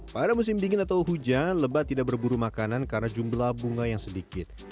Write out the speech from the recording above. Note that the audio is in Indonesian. pada musim dingin atau hujan lebat tidak berburu makanan karena jumlah bunga yang sedikit